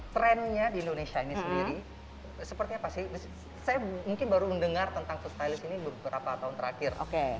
trendnya di indonesia ini sendiri sepertinya pasti saya mungkin baru mendengar tentang food stylist ini beberapa tahun terakhir